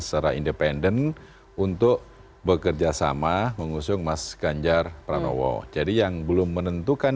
secara independen untuk bekerjasama mengusung masganjar pranowo jadi yang belum menentukan